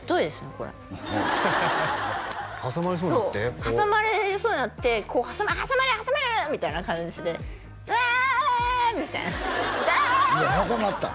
これ挟まれそうになってそう挟まれそうになってこう挟ま挟まれる挟まれるみたいな感じですねああみたいなああで挟まったん？